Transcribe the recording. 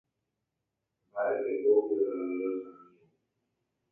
Mba'etekópio Ramiro chamigo.